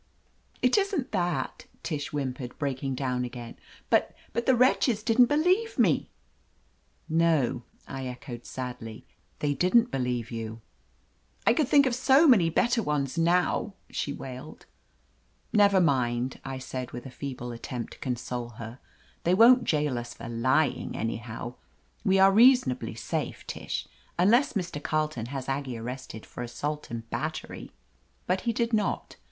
"It isn't that," Tish whimpered, breaking 293 THE AMAZING ADVENTURES down again, "but — but the wretches didn't be lieve me !" "No," I echoed sadly, "they didn't believe you." "I could think of so many better ones now," she wailed. "Never mind," I said, with a feeble attempt to console her, "they won't jail us for lying, anyhow. We are reasonably safe, Tish, unless Mr. Carleton has Aggie arrested for assault and battery." But he did not.